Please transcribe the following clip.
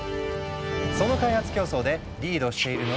その開発競争でリードしているのが中国。